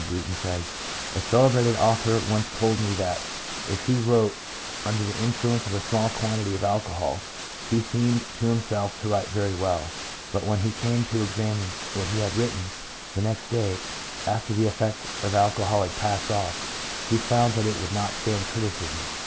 Brunton says, " A celebrated author once told me that if he wrote under the influence of a small quantity of alcohol he seemed to himself to write very well, but when he came to examine what he had written, the next day, after the effect of the alcohol had passed off, he found that it would not stand criticism."